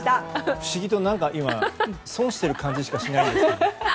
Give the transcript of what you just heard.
不思議と損している感じしかしないです。